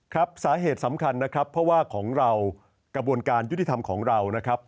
ครับสาเหตุสำคัญนะครับเพราะว่าของเรากระบวนการยุติธรรมของเรานะครับ